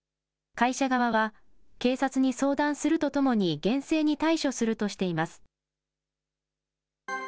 会社側は警察に相談するとともに、厳正に対処するとしています。